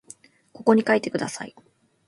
ここに書いてください